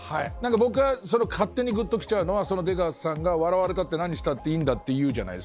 僕勝手にグッと来ちゃうのは出川さんが笑われたって何したっていいんだって言うじゃないですか。